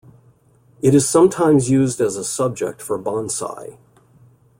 It is sometimes used as a subject for bonsai.